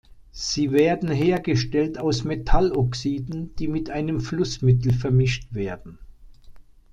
Sie werden hergestellt aus Metalloxiden, die mit einem Flussmittel vermischt werden.